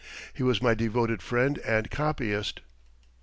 He was my devoted friend and copyist.